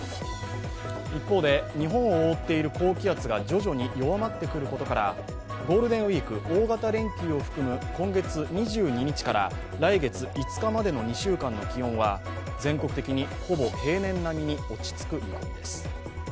一方で日本を覆っている高気圧が徐々に弱まっていることから、ゴールデンウイーク、大型連休を含む今月２２日から来月５日までの２週間の気温は全国的にほぼ平年並みに落ち着く見込みです。